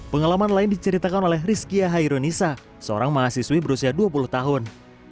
pengalaman lain diceritakan oleh rizkia hairunisa seorang mahasiswi berusia dua puluh tahun